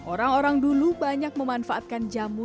orang orang dulu banyak memanfaatkan jamu